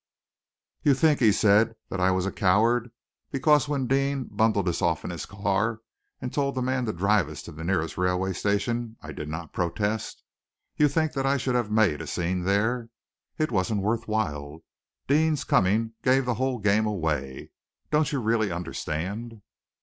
"You think," he said, "that I was a coward, because when Deane bundled us off in his car and told the man to drive us to the nearest railway station, I did not protest. You think that I should have made a scene there? It wasn't worth while. Deane's coming gave the whole game away. Don't you really understand?"